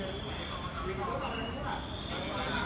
อันที่สุดท้ายก็คือภาษาอันที่สุดท้าย